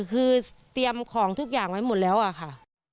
คือเตรียมของทุกอย่างไว้หมดแล้วอะค่ะ